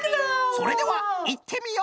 それではいってみよう！